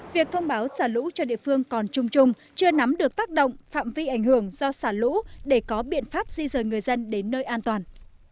việc thông báo xả lũ cho địa phương còn chung chung chưa nắm được tác động phạm vi ảnh hưởng do xả lũ để có biện pháp di rời người dân đến nơi an toàn